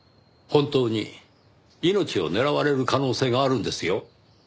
本当に命を狙われる可能性があるんですよ？